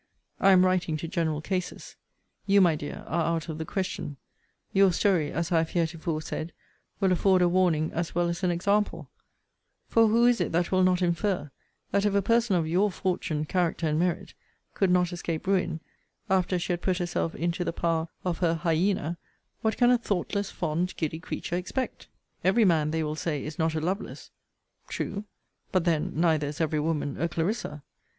I am writing to general cases. You, my dear, are out of the question. Your story, as I have heretofore said, will afford a warning as well as an example:* For who is it that will not infer, that if a person of your fortune, character, and merit, could not escape ruin, after she had put herself into the power of her hyæna, what can a thoughtless, fond, giddy creature expect? * See Vol. IV. Letter XXIII. Every man, they will say, is not a LOVELACE True: but then, neither is every woman a CLARISSA.